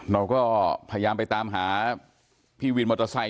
เราก็พยายามไปตามหาพี่วินมอเตอร์ไซค